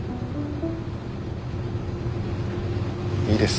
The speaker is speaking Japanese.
いいです。